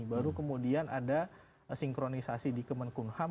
baru kemudian ada sinkronisasi di kemenkumham